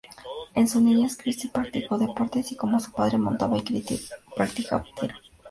En su niñez Kristin practicó deportes y, como su padre, montaba y practicaba tiro.